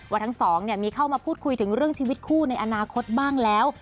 ทั้งสองมีเข้ามาพูดคุยถึงเรื่องชีวิตคู่ในอนาคตบ้างแล้ว